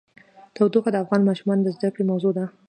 تودوخه د افغان ماشومانو د زده کړې موضوع ده.